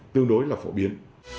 tương đối là phổ biến